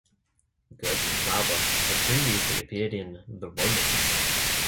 Gertan Klauber had previously appeared in "The Romans".